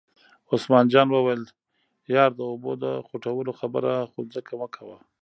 عثمان جان وویل: یار د اوبو د خوټولو خبره خو ځکه مکوه.